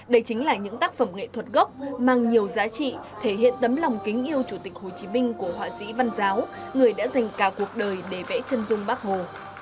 đây chính là những tác phẩm nghệ thuật gốc mang nhiều giá trị thể hiện tấm lòng kính yêu chủ tịch hồ chí minh của họa sĩ văn giáo người đã dành cả cuộc đời để vẽ chân dung bác hồ